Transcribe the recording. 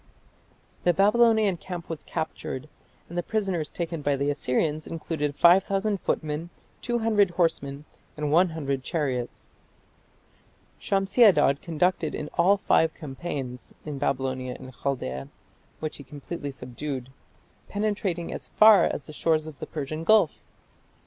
The Babylonian camp was captured, and the prisoners taken by the Assyrians included 5000 footmen, 200 horsemen, and 100 chariots. Shamshi Adad conducted in all five campaigns in Babylonia and Chaldaea, which he completely subdued, penetrating as far as the shores of the Persian Gulf.